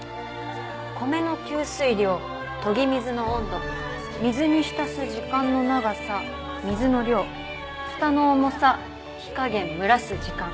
米の吸水量研ぎ水の温度水に浸す時間の長さ水の量ふたの重さ火加減蒸らす時間。